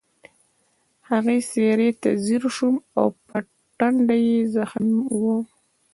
د هغې څېرې ته ځیر شوم او په ټنډه یې زخم و